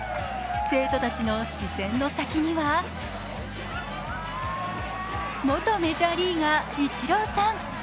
生徒たちの視線の先には元メジャーリーガー、イチローさん。